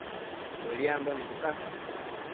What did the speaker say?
Bëdiambo nidta